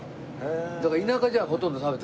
だから田舎じゃほとんど食べてないんですよ。